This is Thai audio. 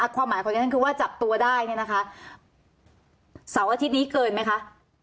ความหมายของที่ฉันคือว่าจับตัวได้เนี่ยนะคะเสาร์อาทิตย์นี้เกินไหมคะ